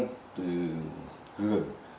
kinh cương từ hương